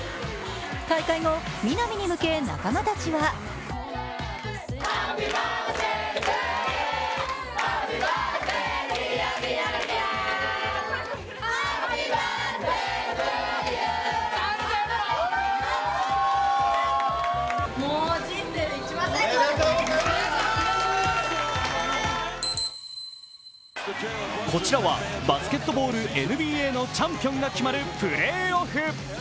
大会後、ＭＩＮＡＭＩに向け仲間たちはこちらはバスケットボールＮＢＡのチャンピオンが決まるプレーオフ。